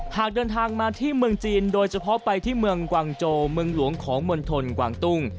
หากเดินทางมาที่เมืองจีนโดยเฉพาะไปที่เมืองกวางโจเมืองหลวงของมณฑลกวางตุ้ง